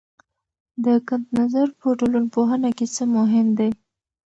د کنت نظر په ټولنپوهنه کې څه مهم دی؟